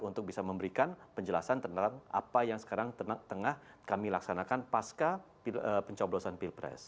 untuk bisa memberikan penjelasan tentang apa yang sekarang tengah kami laksanakan pasca pencoblosan pilpres